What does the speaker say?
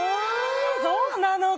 そうなのか！